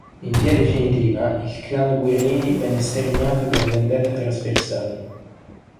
In via definitiva il clan Guerini venne sterminato per vendette trasversali.